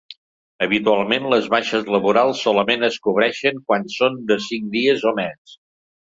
Habitualment, les baixes laborals solament es cobreixen quan són de cinc dies o més.